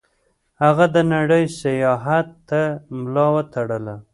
هغه د نړۍ سیاحت ته ملا وتړله.